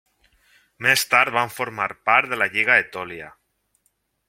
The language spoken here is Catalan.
Més tard van formar part de la Lliga Etòlia.